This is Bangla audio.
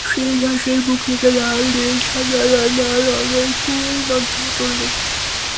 সেই ঘাসের বুক থেকে লাল, নীল, সাদা—নানা রঙের ফুল মাথা তোলে।